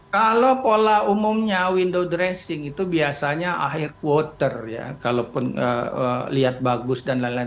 kalau pola umumnya window dressing itu biasanya akhir quoter ya kalaupun lihat bagus dan lain lain